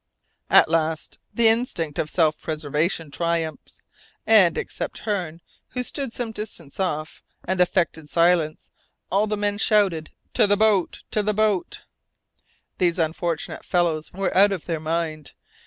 At last, the instinct of self preservation triumphed, and except Hearne, who stood some distance off and affected silence, all the men shouted: "To the boat! to the boat!" These unfortunate fellows were out of their mind.